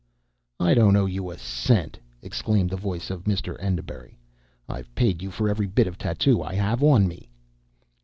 "I don't owe you a cent!" exclaimed the voice of Mr. Enderbury. "I've paid you for every bit of tattoo I have on me."